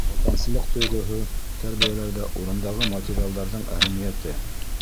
Ватансылыҡ тойғоһо тәрбиәләүҙә урындағы материалдарҙың әһәмиәте.